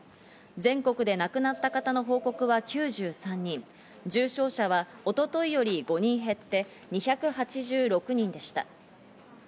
全国で亡くなった方の報告は９３人、重症者は一昨日より５人減って２８６人でした。